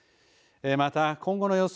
また今後の予想